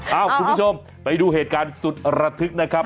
คุณผู้ชมไปดูเหตุการณ์สุดระทึกนะครับ